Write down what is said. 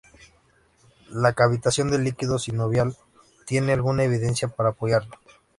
La cavitación del líquido sinovial tiene alguna evidencia para apoyarlo.